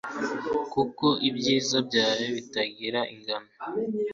kuko ibyiza byawe bitagira ingano